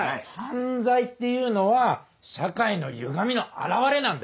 犯罪っていうのは社会のゆがみの表れなんだよ。